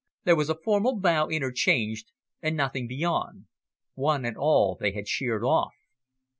There was a formal bow interchanged, and nothing beyond; one and all they had sheered off.